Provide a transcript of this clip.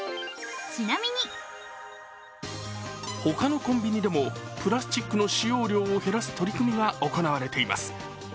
他のコンビニでもプラスチックの使用量を減らす取り組みが行われています。